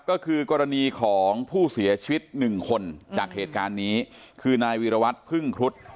ก็คือกรณีของผู้เสียชีวิตหนึ่งคนจากเหตุการณ์นี้คือนายวิรวัตรพึ่งครุฑ